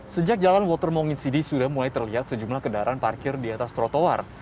sejak jalan walter bawang insidi sudah mulai terlihat sejumlah kendaraan parkir di atas trotoar